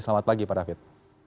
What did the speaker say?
selamat pagi pak david